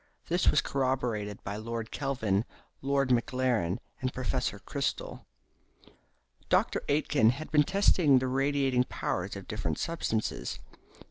This was corroborated by Lord Kelvin, Lord MacLaren, and Professor Chrystal. Dr. Aitken had been testing the radiating powers of different substances.